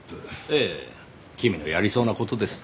ええ君のやりそうな事です。